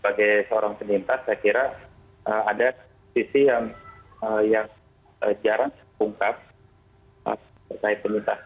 sebagai seorang penyintas saya kira ada sisi yang jarang terungkap terkait penyintas